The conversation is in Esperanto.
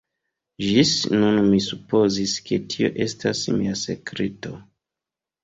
Ĝis nun mi supozis ke tio estas mia sekreto.